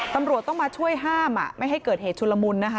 ตำรวจต้องมาช่วยห้ามไม่ให้เกิดเหตุชุลมุนนะคะ